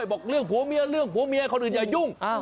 บอกเรื่องผัวเมียเรื่องผัวเมียคนอื่นอย่ายุ่ง